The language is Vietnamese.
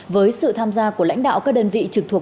với sự tham gia của lãnh đạo các đơn vị trực thuộc